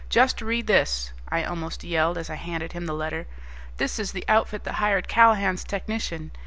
"Just read this," I almost yelled as I handed him the letter. "This is the outfit that hired Callahan's technician.